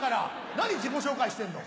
何自己紹介してんの！